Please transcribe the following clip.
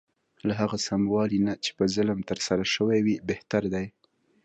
له هغه سموالي نه چې په ظلم ترسره شوی وي بهتر دی.